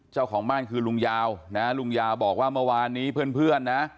เจ้าของบ้านคือลุงยาวนะลุงยาวบอกว่าเมื่อวานนี้เพื่อนนะ